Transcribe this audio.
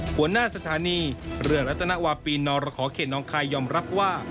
หัวหน้าสถานีเรืองอัตรนาวาปีนนเฮดนองไขยอมรับว่า